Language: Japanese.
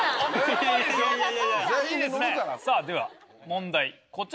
さあでは問題。